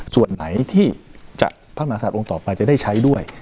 ส่วนไหนที่พระมหาศาสตองค์ต่อไปจะได้ใช้ด้วย